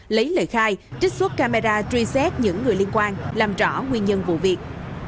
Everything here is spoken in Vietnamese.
lấy lời khai trích xuất camera truy xét những người liên quan làm rõ nguyên nhân vụ việc